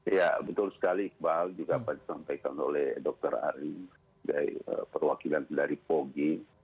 ya betul sekali iqbal juga disampaikan oleh dr ari perwakilan dari pogi